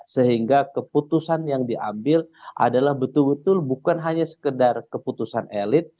sehingga keputusan yang diambil adalah betul betul bukan hanya sekedar keputusan elit